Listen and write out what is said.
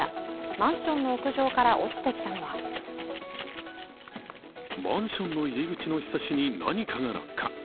マンションの屋上から落ちてきたのはマンションの入り口のひさしに何かが落下。